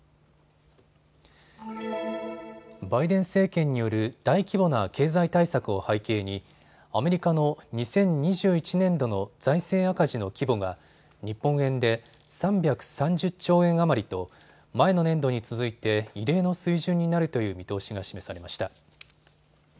バイデン政権による大規模な経済対策を背景にアメリカの２０２１年度の財政赤字の規模が日本円で３３０兆円余りと前の年度に続いて異例の水準になるという見通しが示されました。